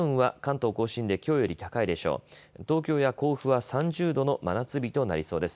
東京や甲府は３０度の真夏日となりそうです。